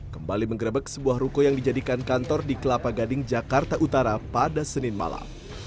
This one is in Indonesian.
kembali mengerebek sebuah ruko yang dijadikan kantor di kelapa gading jakarta utara pada senin malam